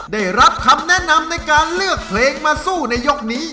ได้รับคำแนะนำในการเลือกเพลงมาสู้ในยกนี้